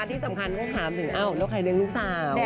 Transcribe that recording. ที่สำคัญต้องถามถึงแล้วใครเล่นลูกสาว